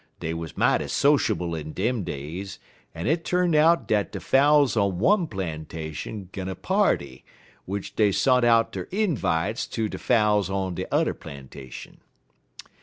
Dey wuz mighty sociable in dem days, en it tu'n out dat de fowls on one plan'ation gun a party, w'ich dey sont out der invites ter de fowls on de 't'er plan'ation.